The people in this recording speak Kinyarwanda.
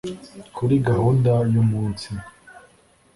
Kuri gahunda y’umunsi